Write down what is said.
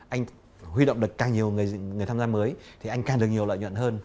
anh huy động được càng nhiều người tham gia mới thì anh càng được nhiều lợi nhuận hơn